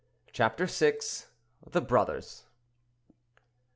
CHAPTER VI. THE BROTHERS.